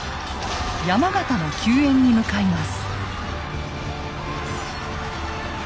山県の救援に向かいます。